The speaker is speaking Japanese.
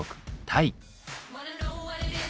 タイ。